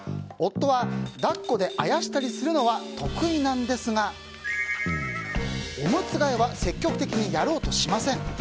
夫は抱っこであやしたりするのは得意なんですがオムツ替えは積極的にやろうとしません。